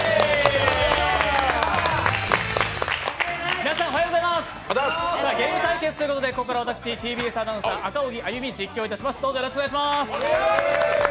皆さん、おはようございますゲーム対決ということでここから私、ＴＢＳアナウンサー、赤荻歩、実況いたします。